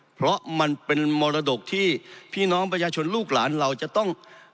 เพราะมันเป็นมรดกที่พี่น้องประชาชนลูกหลานเราจะต้อง